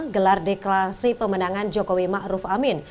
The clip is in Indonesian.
gelar deklarasi pemenangan jokowi ma'ruf amin